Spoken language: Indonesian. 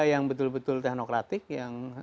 yang betul betul teknokratik yang